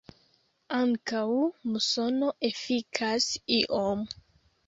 Ankaŭ musono efikas iom.